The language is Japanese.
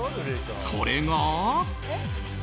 それが。